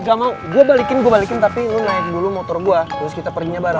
gak mau gue balikin gue balikin tapi lu naik dulu motor gue terus kita perginya bareng